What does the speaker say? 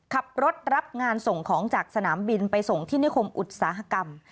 ขับรถรับงานส่งของจากสนามบินไปส่งที่นิคมอุตสาหกรรม